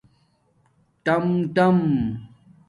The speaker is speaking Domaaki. ٹآم ٹآم